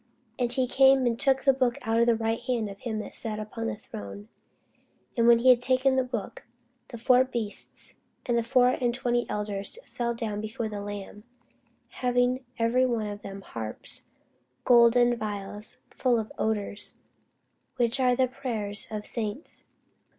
And he came and took the book out of the right hand of him that sat upon the throne. And when he had taken the book, the four beasts and four and twenty elders fell down before the Lamb, having every one of them harps, and golden vials full of odours, which are the prayers of saints.